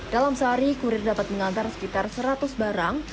dalam sehari kurir dapat mengantar sekitar seratus barang